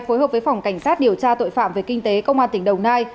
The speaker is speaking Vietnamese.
phối hợp với phòng cảnh sát điều tra tội phạm về kinh tế công an tỉnh đồng nai